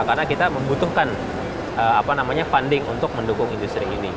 karena kita membutuhkan apa namanya funding untuk mendukung industri ini